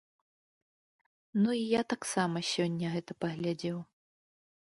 Ну і я таксама сёння гэта паглядзеў.